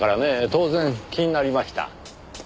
当然気になりました。